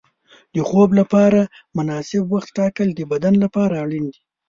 د خوب لپاره مناسب وخت ټاکل د بدن لپاره اړین دي.